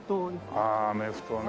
ああアメフトね。